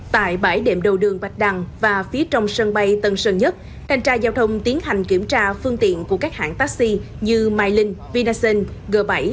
tại bãi đệm đầu đường bạch đăng và phía trong sân bay tân sơn nhất thanh tra giao thông tiến hành kiểm tra phương tiện của các hãng taxi như mai linh vinasin g bảy